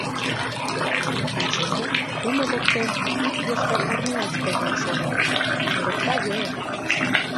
Ончена: тумо воктен ик йошкарармеец пызнен шогалын, мурыкта веле...